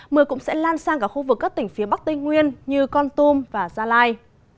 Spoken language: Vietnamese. mưa cũng sẽ lan sang cả khu vực các tỉnh phía bắc tây nguyên như con tum và gia lai